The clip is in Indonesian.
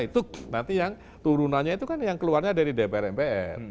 itu nanti yang turunannya itu kan yang keluarnya dari dpr mpr